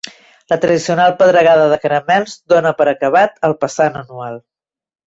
La tradicional pedregada de caramels dóna per acabat el passant anual.